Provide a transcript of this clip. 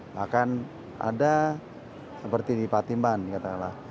bahkan ada seperti di patimban katakanlah